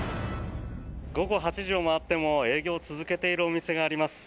午後８時を回っても営業を続けているお店があります。